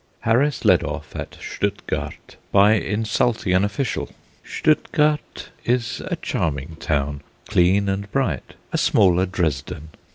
Harris led off at Stuttgart by insulting an official. Stuttgart is a charming town, clean and bright, a smaller Dresden.